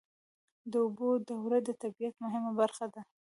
د اوبو دوره د طبیعت مهمه برخه ده.